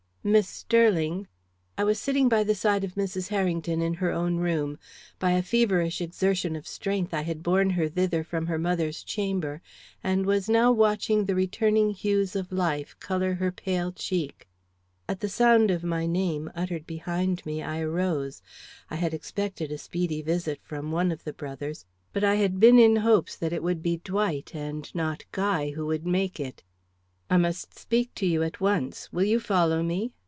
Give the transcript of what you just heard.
"Miss Sterling?" I was sitting by the side of Mrs. Harrington in her own room. By a feverish exertion of strength I had borne her thither from her mother's chamber, and was now watching the returning hues of life color her pale cheek. At the sound of my name, uttered behind me, I arose. I had expected a speedy visit from one of the brothers, but I had been in hopes that it would be Dwight, and not Guy, who would make it. "I must speak to you at once; will you follow me?"